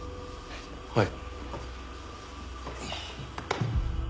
はい。